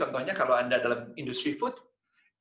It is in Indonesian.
contohnya kalau anda dalam industri food